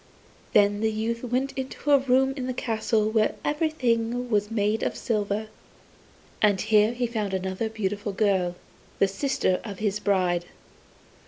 Then the youth went into a room in the castle where everything was made of silver, and here he found another beautiful girl, the sister of his bride.